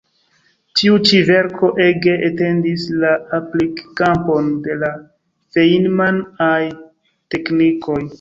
Tiu ĉi verko ege etendis la aplik-kampon de la Feinman-aj teknikoj.